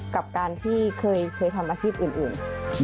กับการที่เคยทำอาชีพอื่น